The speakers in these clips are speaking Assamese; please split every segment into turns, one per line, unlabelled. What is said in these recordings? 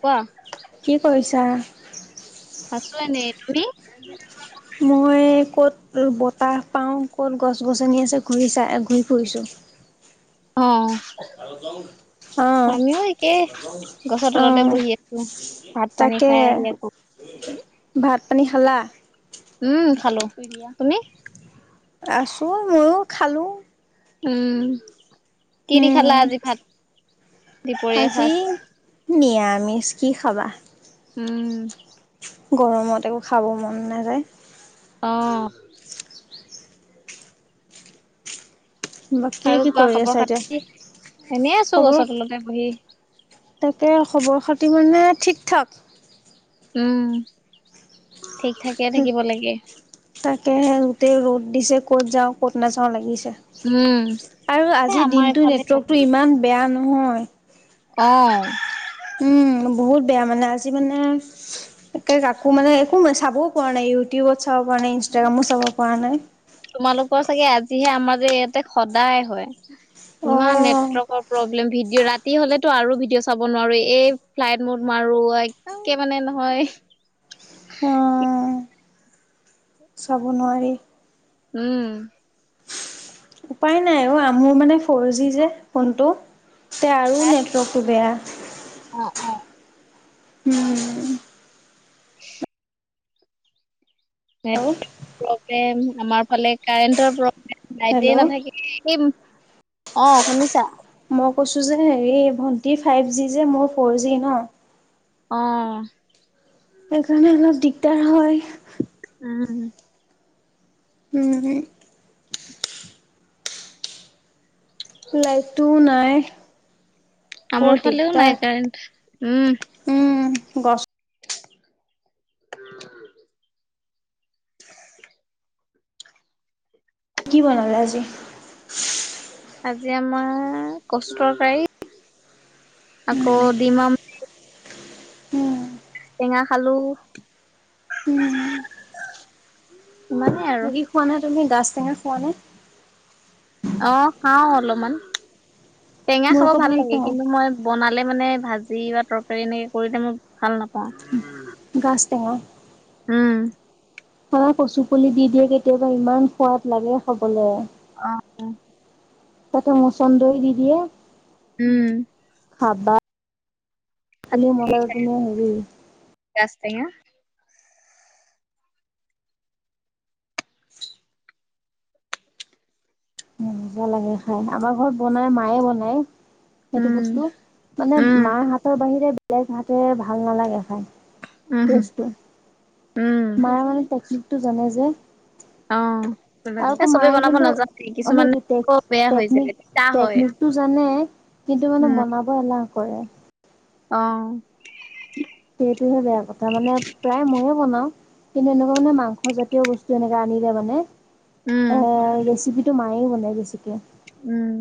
কোৱা
কি কৰিছা?
আছো এনেই তুমি?
মই ক'ত বতাহ পাও ক'ত গছ -গছনি আছে ঘূৰি চাই ঘূৰি ফুৰিছো। [inaudible]
অ',
অ',
আমিও একেই গছৰ তলতে
অ',
বহি আছো। ভাত পানী
তাকে
খাই আহি আকৌ।
ভাত পানী খালা?
উম, খালো শুই দিয়া তুমি?
আছো ময়ো খালো।
উম, কি দি
উম,
খালা আজি ভাত? দুপৰীয়া সাজ?
নিৰামিছ কি খাবা।
উম।
গৰমত একো খাব মন নাযায়।
অহ।
বাকী
আৰু
কি
কোৱা
কৰি
খবৰ
আছা এতিয়া?
খাতি? এনেই আছো
খবৰ
গছৰ তলতে বহি।
তাকে খবৰ খাতি মানে ঠিক-ঠাক।
উম ঠিক থাকে থাকিব লাগে
তাকেহে গোটেই ৰ'দ দিছে। ক'ত যাও, ক'ত নাযাওঁ লাগিছে।
উম
আৰু
এ
আজিৰ
আমাৰ
দিনটো
এইফালে
নেটৱৰ্কটো ইমান বেয়া নহয়।
অ।
উম, বহুত বেয়া মানে আজি মানে একে কাকো মানে একো চাবও পৰা নাই। ইউটিউবত চাব পৰা নাই, ইনষ্টাগ্ৰামো চাব পৰা নাই।
তোমালোকৰ চাগে আজিহে। আমাৰ যে ইয়াতে সদায় হয়। ইমান
অ',
নেটৱৰ্কৰ প্ৰব্লেম ভিডিঅ' ৰা তি হলেতো আৰু ভিডিঅ' চাব নোৱাৰো। এই ফ্লাইট মত মাৰো। একে মানে নহয়।
অ। চাব নোৱাৰি।
উম।
উপায় নাই অ। মোৰ মানে ফ'ৰ জি যে ফোনটো। এয়া আৰু নেটৱৰ্কটো বেয়া।
অ-অ।
উম।
[inaudible]
হেল্ল',
নেটৱৰ্ক প্ৰব্লেম আমাৰ ফালে কাৰেণ্টৰ প্ৰ লাইতে
হেল্ল'।
নাথাকে। অ শুনিছা?
মই কৈছো যে হেৰি ভন্টি ফাইভ জি যে, মোৰ ফ'ৰ জি ন।
অ।
সেইকাৰণে অলপ দিগদাৰ হয়।
উম।
উম। লাইটটো নাই বৰ
আমাৰ ফালেও
দিগদাৰ
নাই। কাৰেণ্ট উম।
উম, গছ
[unintelligible] [inaudible]
কি বনালা আজি?
আজি আমাৰ কচুৰ তৰকাৰী। আকৌ ডিমাম
উম
টেঙা খালো।
উম
ইমানেই আৰু।
বাকী খোৱা নে তুমি গাছ টেঙা খোৱা নে?
অ খাও অলপমান। টেঙা
মই
খাব
আকৌ
ভাল লাগে।
পাওঁ
কিন্তু মই বনালে মানে ভাজ ভাজি বা তৰকাৰী এনেকে কৰিলে মই ভাল নাপাওঁ।
গাছ টেঙা।
উম।
আমাৰ কচু পুলি দি দিয়ে কেতিয়াবা। ইমান সোৱাদ লাগে খাবলে।
অ।
তাতে মচন্দই দি দিয়ে।
উম।
খাবা [inaudible] বুলি মত আৰু তুমি হেৰি
গাজ টেঙা
মজা লাগে খাই আমাৰ ঘৰত বনাই মায়ে বনাই। সেইটো
উম,
বস্তু মানে
উম,
মাৰ হাতৰ বাহিৰে বেলেগ হাতে ভাল নালাগে খাই।
উম,
তেষ্টটো
উম।
মায়ে মানে টেকনিকটো জানে যে আৰু
অ'
আকৌ
চবে
মায়ে
বনাব
কিন্তু
নাজানেই
অ'
কিছুমান
সেইটো
আকৌ বেয়া হৈ যায় তিতা হয়।
টো জানে কিন্তু মানে
উম,
বনাব এলাহ কৰে।
অ'
সেইটোহে বেয়া কথা মানে প্ৰায় ময়ে বনাও কিন্তু এনেকুৱা মানে মাংস জাতীয় বস্তু এনেকে আনিলে মানে
উম,
এ ৰেচিপি টো মায়ে বনাই বেছিকে।
উম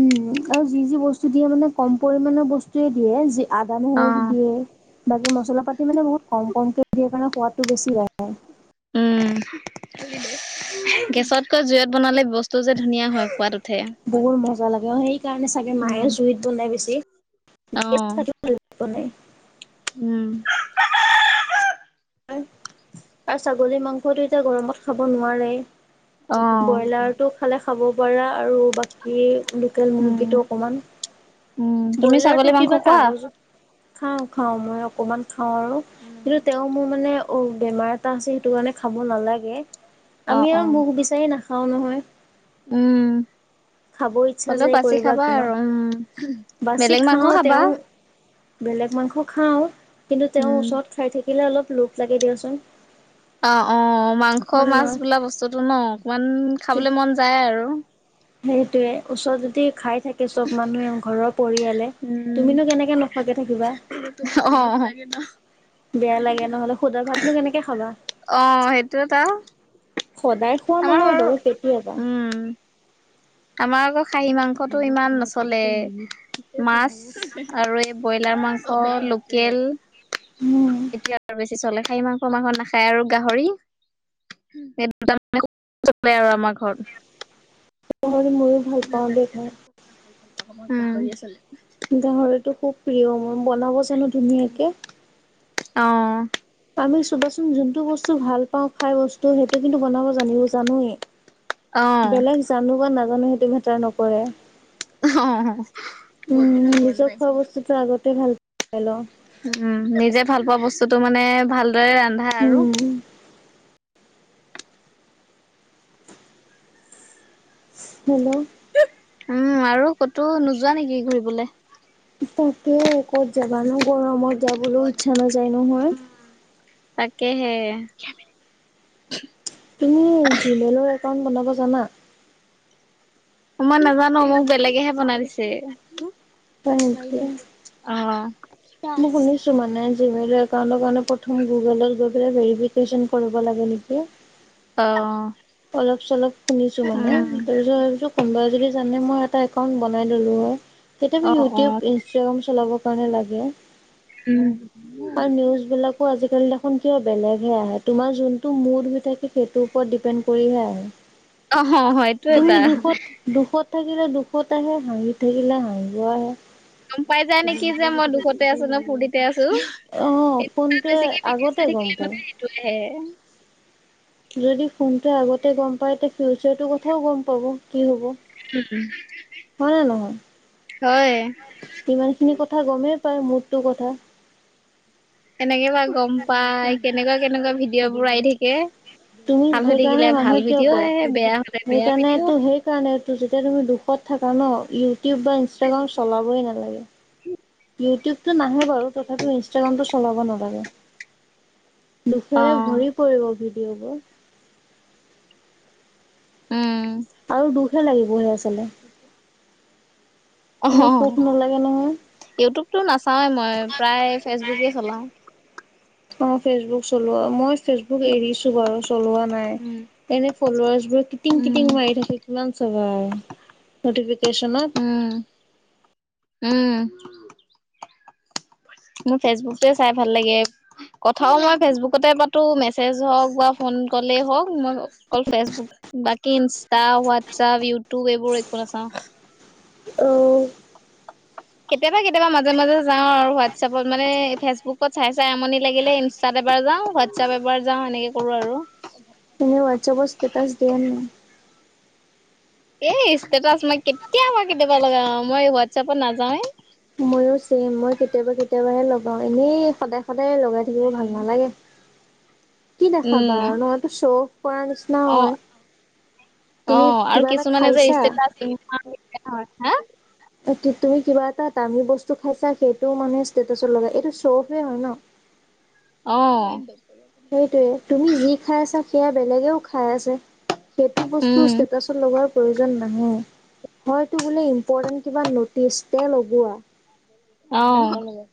উম আৰু যি যি বস্তু দিয়ে মানে কম পৰিমণৰ বস্তুয়ে দিয়ে। আদা নহৰু
অ',
দিয়ে। বাকী মছলা পাতি মানে বহুত কম কমকে দিয়ে কাৰণে সোৱাদটো বেছি লাগে।
উম গেছতকৈ জুইত বনালে বস্তু যে ধুনীয়া হয় খোৱাদ।
বহুত মজা লাগে অ' সেইকাৰণে চাগে মায়ে জুইত ব নাই বেছি।
অহ
পনে
উম
আৰু ছাগলী মাংসটো এতিয়া গৰমত খাব নোৱাৰে।
অ',
ব্ৰইলাৰতটো খালে খাব পাৰা আৰু বাক- স লোকেল
উম,
মুৰ্গীটো অকমান
উম, তুমি ছাগলী
ব্ৰইলাৰটো
মাংস
কিবা
খোৱা?
কাগজত খাওঁ খাওঁ। মই অকমান খাওঁ আৰু
উম,
কিন্তু তেওঁ মোৰ মানে অ' বেমাৰ এটা আছে সেইটো কাৰণে খাব নালাগে
অ',
আমি আৰু
অ',
মুখ বিচাৰি নাখ- খাওঁ নহয়।
উম
খাব ইচ্ছা
হ'লেও
যায়
বাচি
কৰিবা
খাবা
কিনো
আৰু উম
বাচি
বেলেক মাংস
খাওঁ
খাবা?
তেওঁ বেলেগ মাংস খাওঁ কিন্তু তেওঁ
উম।
ওচৰত খাই থাকিলে অলপ লোপ লাগে দিয়াচোন।
অ' অ' মাংস
হয় নে
মাছ
নহয়?
বোলা বস্তুটো ন অকমান খাবলে মন যায় আৰু।
সেই টোৱে, ওচৰত যদি খাই থাকে চব মানুহে ঘৰৰ পৰিয়ালে,
উম
তুমিনো কেনেকে নোখোৱাকে থাকিবা?
অ।
বেয়া লাগে নহ'লে সুদা ভাতনো কেনেকে খাবা।
অ সেইটো এটা।
সদায় খোৱা নহয় বাৰু কেতিয়াবা।
উম, আমাৰ আকৌ খাহী মাংসটো ইমান নচলে। মাছ আৰু এই ব্ৰইলাৰ মাংস লোকেল।
উম
এতিয়া পিছলে খাই মাংস মাংস নাখায় আৰু গাহৰি। সেই দুটা [unintelligible] আমাৰ ঘৰত।
হ ময়ো ভাল পাওঁ দেই খাই।
হম।
গাহৰিতো খুব প্ৰিয়। মই বনাব জানো ধুনীয়াকে।
অ'।
আমি চবাচোন যোনটো বস্তু ভাল পাওঁ। খাই বস্তু সেইটো কিন্তু বনাব জানিব জানোৱে।
অ', অ',
বেলেগ জানো বা নাজানো সেইটো মেটাৰ নক ৰে। নিজৰ খোৱা বস্তুটো আগতে ভাল পাই লওঁ
উম। নিজে ভাল পোৱা বস্তুটো মানে ভালদৰে ৰান্ধা আৰু।
উম হয় না।
উম আৰু ক'তো নোযোৱা নেকি ঘূৰিবলে?
তাকে কত যাবা নো? গৰমত যাবলৈও ইচ্ছা নাযায় নহয়।
তাকেহে।
তুমি জিমেইলৰ একাউণ্ট বনাব জানা?
মই নাজানো। মোক বেলেগেহে বনাই দিছে।
হয় নেকি?
অ।
মই শুনিছো মানে। জিমেইলৰ একাউণ্টৰ কাৰণে প্ৰথম গুগলত গৈ পেলাই ভেৰিফিকেচন কৰিব লাগে নেকি?
অ।
অলপ চলপ শুনিছো মানে। তাৰপিছত ভাবিছো কোনোবাই যদি জানে মই এটা একাউন্ট বনাই ললো হয়। তেতিয়া
অ অ
ইউটিউব, ইনষ্টাগ্ৰাম চলাব কাৰণে লাগে
উম
আৰু নিউজ বিলাকো আজিকালি দে খুন কিয় বেলেগহে আহে। তোমাৰ যোনটো মুড হৈ থাকে সেইটোৰ ওপৰত ডিপেণ্ড কৰিহে
অ
আহে।
হয়তো
তুমি
এটা
দুখত দুখত থাকিলে দুখত আহে, হাঁহি থাকিলে হাঁহিব আহে।
গম পাই যায় নেকি যে মই দুখতে আছো নে ফূৰ্তিতে আছো।
অ ফোনটোৱে আগতে গম পায়
[unintelligible]
যদি ফোনটো আগতে গম পায় তেতিয়া ফিউচাৰটো কথাও গম পাব। কি হ'ব? হয় নে নহয়?
হয়।
ইমান খিনি কথা গমেই পাই মোডটোৰ কথা।
কেনেকে বা গম পাই? কেনেকুৱা কেনেকুৱা ভিডিঅ' বোৰ আহি থাকে।
তুমি
ভাল হৈ
সেইকাৰণে
থাকিলে ভাল
মানুহে কিয়
ভিডিঅ'
কয়?
আহে বেয়া হলে বেয়া ভিডিঅ'
সেইকাৰণেটো সেইকাৰণেটো যেতিয়া তুমি দুখত থকা ন ইউটিউব বা ইনষ্টাগ্ৰাম চলাবই নালাগে। ইউটিউবটো নাহে বাৰু তথাপিও ইনষ্টাগ্ৰামটো চলাব নালাগে।
অ
দুখেৰে ভৰি পৰিব ভিডিঅ'বোৰ।
উম
আৰু দুখহে লাগিব চালে
[unintelligible] অ
তোমাৰ সুখ নালাগে নহয়।
ইউটিউবটো নাচাওৱে মই প্ৰায় ফেচবুকে চলাও।
অ, ফেচবুক চলোৱা। মই ফেচবুক এৰিছো বাৰু চলোৱা নাই।
উম,
এনে ফলৱাৰ্চবোৰ কিটিং কিটিং
উম,
মাৰি থাকে, কিমান চাবা আৰু।
উম,
নটিফিকেশ্যনত।
উম। মোৰ ফেচবুকটোৱে চাই ভাল লাগে। কথাও মই ফেচবুকতে পাতো, মেছেজ হওঁক বা ফোন কল হওঁক মই অকল ফেচবুক বাকী ইনষ্টা, হোৱাটছআপ, ইউটিউব এইবোৰ একো নাচাওঁ।
অ।
কেতিয়াবা কেতিয়াবা মাজে - মাজে যাও আৰু হোৱাটছএপত মানে ফেচবুকত চাই - চাই আমনি লাগিলে ইনষ্টাতে এবাৰ যাও হোৱাটছাপ এবাৰ যাওঁ সেনেকে কৰো আৰু।
এনে ৱাটচাপত ষ্টেটাচ দিয়া নে নাই?
এ ষ্টেটাছ মই কেতিয়াবা-কেতিয়াবা লগাও। মই হোৱাটছাপত নাযাওৱেই।
ময়ো ছেম। মই কেতিয়াবা কেতিয়াবাহে লগাওঁ। এনেই সদায় সদায় লগাই থাকিব ভাল নালাগে। কি দেখাবা আৰু ন চৌ
অ-অ
তুমি
আৰু
কিবা এটা
কিছুমানে যে
খাইছা
ষ্টেটাছ হয় হা
তুমি কিবা এটা দামী বস্তু খাইছা সেইটো মানে ষ্টেটাচত লগা এইটো চৌ অফে হয় ন? [inaudible]
অ।
সেইটোৱে, তুমি যি খাই আছা সেয়া বেলেগেও খাই আছে। সেইটো বস্তু
উম
ষ্টেটাছত লগোৱা প্ৰয়োজন নাহে। বোলে হয়টো বোলে ইনপৰ্তেন্ত কিবা ন'টিছ।
অ',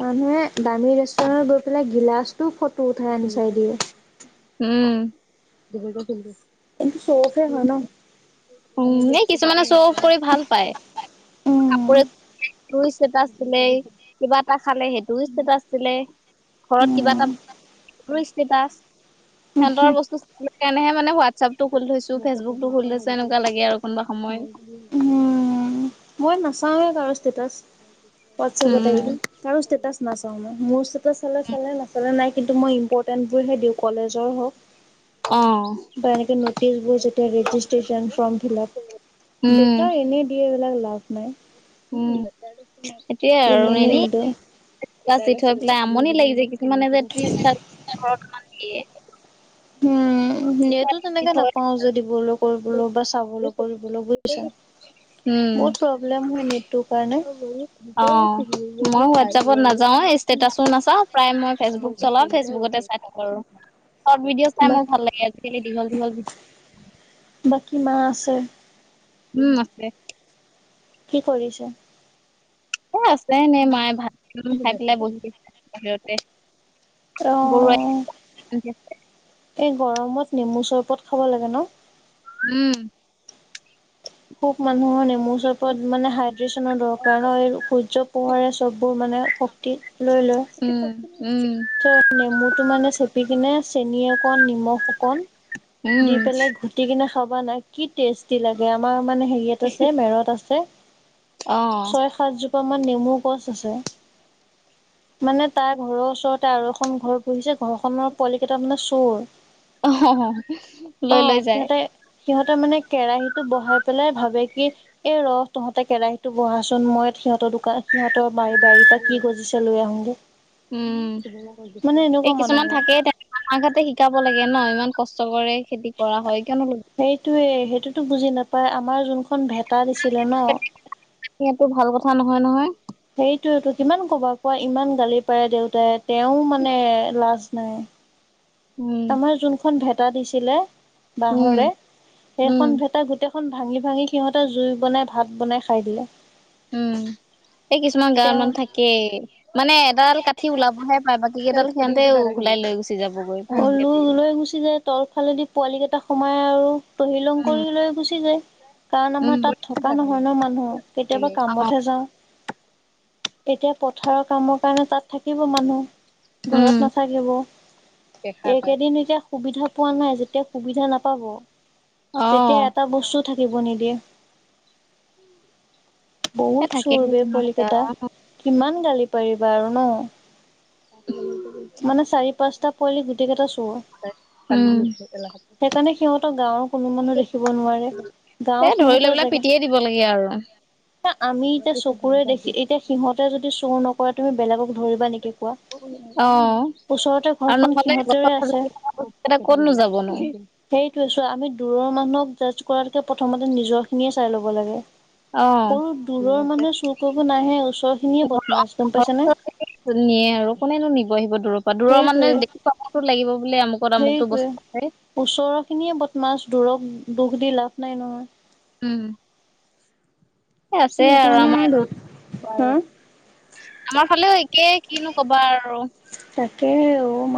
মানুহে দামী ৰেষ্টুৰেতত গৈ। পেলাই গিলাচটো ফটো উঠাই আন চাই দিয়ে।
দূহেজাৰ চিমটো [unintelligible]
এইটো চৌ অফে হয় ন।
উম, এ কিছুমানে চৌ অফ কৰি ভাল পায় কাপোৰ সেইটো ষ্টেটাছ দিলে কিবা এটা খালে সেইটো ষ্টেটাছ দিলে। ঘৰত কিবা এটা ষ্টেটাছ বস্তু সেইকাৰণেহে মানে হোৱাটচাপটো খুলি থৈছো ফেচবুকটো খুলি থৈছো এনেকুৱা লাগে আৰু কোনোবা সময়।
উম, মই নাচাওৱে কাৰো ষ্টেটাছ
উম
ৱাটচাপত কৰো ষ্টেটাছ নেচাও মই মোৰ ষ্টেটাছ চালে - চালে নেচালে নাই। কিন্তু মই ইম্পৰ্টেণ্টবোৰহে দিও কলেজৰ হওক।
অ
বা এনেক নটিচ বোৰ যেতিয়া ৰেজিষ্ট্ৰন ফৰ্ম ফিলপ
উম
বেকাৰ এনে দিয়ে। এইবিলাক লাভ নাই।
উম, হেতিয়ে আৰু এনে দি থৈ পেলাই আমনি লাগি যায়। মানে যে ত্ৰিশতা ঘৰত মান দিয়ে।
উম সেইটো তেনেকে নাপাও যে দিবলৈ কৰিবলৈ বা চাবলৈ কৰিবলৈ বুইছা।
উম
বহুত প্ৰব্লেম হয় নেটটোৰ কাৰণে।
অ মই হোৱাটছাপত নেযাও ষ্টেটাচো নাচাও প্ৰায় মই ফেচবুক চলাও ফেচবুকতে চাই থাকো আৰু চৰ্ত ভিডিঅ' চাই মোৰ ভাল
বাকী
লাগে। সেইখিনি দীঘল - দীঘল।
বাকী মা আছে।
উম, আছে।
কি কৰিছে?
এ আছে এনে মায়ে ভাত খাই পেলাই বহি আছে বাহিৰতে। গৰুৱাই
অ' এই গৰমত নেমু চৰবত খাব লাগে ন।
উম
সুখ মানুহৰ নেমুৰ চৰৰত মানে হাইড্ৰেচনৰ দৰকাৰ এই সূৰ্য পোহৰে চববোৰ মানে। শক্তি লৈ লয়।
উম উম
নেমু টো মানে চেপি কিনে চেনীয়ে অকণ নিমখ অকন দি
উম
পেলাই ঘুটি কেনে খাবানা কি টেষ্টি লাগে। মানে হেৰিয়াত আছে মেৰত আছে।
অহ
মাৰ নেমু গছ আছে মানে তাৰ ঘৰৰ ওচৰত এটা আৰু এখন ঘৰত বহিছে ঘৰখনৰ পোৱালি কেইটা মানে চোৰ
অ, লৈ - লৈ যায়।
সিহতে মানে কেৰাহীটো বহাই পেলাই ভাবে কি এই ৰস তহতে কেৰাহীটো বহাচোন মই। সিহতৰ দোকান সিহতৰ বাৰি - বাৰিৰ পৰা কি গজিছে লৈ আহোগৈ।
উম, এই কিছুমান
মানুহঘৰ
থাকেই তেনে আমাৰ ঘাতে শিকাব লাগে ন ইমান। কষ্ট কৰে খেতি কৰা হয় কিয়নো ল
টো বুজি নাপাই আমাৰ যোনখন ভেটা দিছিলে ন।
কোৱা নহয় - নহয়।
সেইটো কিমান ক'বা কোৱা ইমান গালি পাৰে দেউতাই তেও মানে লাজ নাই।
উম,
আমাৰ যোনখন ভেটা দিছিলে
উম,
বাহৰে
উম,
সেইখন ভেটা গোটেই খন ভাঙি - ভাঙি সিহতেৰ জুই বনাই ভাত বনাই খাই দিলে।
উম, এই কিছুমান গাও
তেওঁ
মানে থাকেই। মানে এডাল কাঠি ওলাবহে পায় বাকী কেইডাল সিহতে ওলাই লৈ গুচি যাবগৈ ভ
তলফালেদি পোৱালি কেইটা সোমাই আৰু তহিলং
উম,
কৰি লৈ গুচি যায়। কাৰণ
উম,
আমাৰ তাত থকা নহয় ন মানুহ কেতিয়াবা
অ',
কামতহে যাও। এতিয়া পথাৰৰ কামৰ কাৰণে তাত থাকিব মানুহ
উম,
ঘৰত নাথাকিব এইকেদিন এতিয়া সুবিধা পোৱা নাই যেতিয়া সুবিধা নাপাব তেতিয়া
অ',
এটা বস্তু থাকিব নিদিয়ে।
এ
বহুত
থাকে
চোৰ বে পোৱালিকেইতা কিমান গালি পাৰিবা আৰু ন
ত
মানে চাৰি পাঁচটা পোৱালি গোটেই কেইটা চুৰ
উম,
সেইকাৰণে সিহঁতক গাঁৱৰ কোনো মানুহ দেখিব নোৱাৰে।
এ
গাঁৱত
ধৰি লৈ
সিহঁতৰ
পেলাই
জেগা
পিটিয়ে দিব লাগে আৰু
এ আমি এতিয়া চকুৰে দেখি এতিয়া সিহঁতে যদি চুৰ নকৰে তুমি বেলেগক ধৰিবা নেকি? কোৱা
অ
ওচৰতে
আৰু
ঘৰখন
নহ'লে
সিহঁতৰে
গছ কতনো যাবনো?
সেইটো ছোৱা আমি দূৰৰ মানুহক জাজ কৰাতকে প্ৰথমতে নিজৰ খিনিয়ে চাই লব লাগে।
অ'।
কৰো দূৰৰ মানুহে চুৰ কৰিব নাহে ওচৰ খিনিয়ে বদমাছ গম পাইছেনে?
নিয়ে আৰু কোনেনো নিব আহিব দূৰত বা দূৰৰ
সেইটোৱে
মানুহে দেখুৱাবতো লাগিব, লাগিব বুলি আমুকত আমুকতো
সেইটোৱে
বস্তু আছে
ওচৰৰ খিনিয়ে বদমাছ দূৰক দুখ দি লাভ নাই নহয়।
উম আছে আৰু ইয়াত আমাৰ
হা
বাৰু আমাৰ ফালেও একেই কিনো কবা আৰু
একে অ